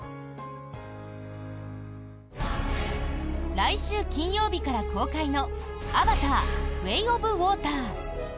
来週金曜日から公開の「アバター：ウェイ・オブ・ウォーター」。